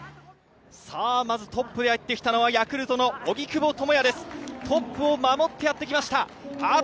まずトップで入ってきたのはヤクルトの荻久保寛也トップを守って入ってきました。